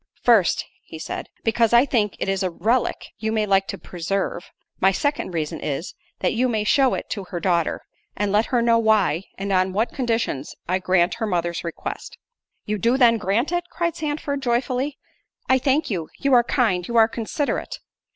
"First," said he, "because I think it is a relick you may like to preserve—my second reason is, that you may shew it to her daughter, and let her know why, and on what conditions, I grant her mother's request." "You do then grant it?" cried Sandford joyfully; "I thank you—you are kind—you are considerate."